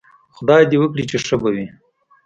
خدای دې وکړي چې ښه به وئ